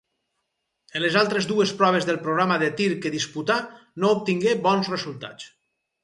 En les altres dues proves del programa de tir que disputà no obtingué bons resultats.